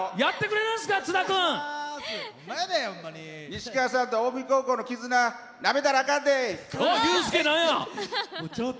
西川さんと近江高校の絆なめたらあかんで！